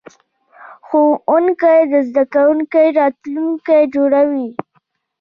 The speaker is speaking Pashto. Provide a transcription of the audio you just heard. ښوونکی د زده کوونکي راتلونکی جوړوي.